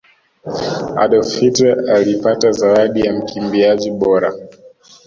adolf hitler alipata zawadi ya mkimbiaji bora